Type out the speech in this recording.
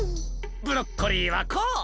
ブロッコリーはこう！